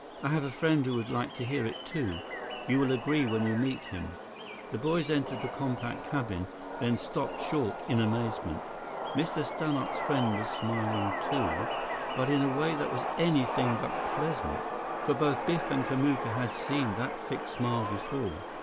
I have a friend who would like to hear it too. You will agree when you meet him—" The boys entered the compact cabin, then stopped short in amazement. Mr. Stannart's friend was smiling, too, but in a way that was anything but pleasant. For both Biff and Kamuka had seen that fixed smile before.